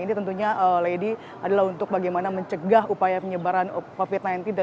ini tentunya lady adalah untuk bagaimana mencari